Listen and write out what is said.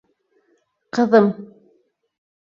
Ҡыҙым!